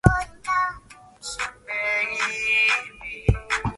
kilimo cha mwani kina soko kubwa sana Zanzibar